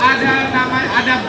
ada band namanya biancarock